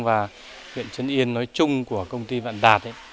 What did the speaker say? và huyện trấn yên nói chung của công ty vạn đạt